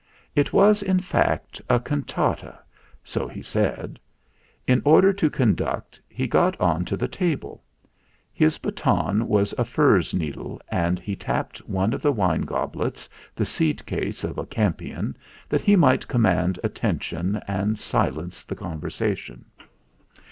It was, in fact, a cantata so he said. In order to conduct, he got on to the table. His baton was a furze needle and he tapped one of the wine goblets the seed case of a campion that he might command atten tion and silence the conversation.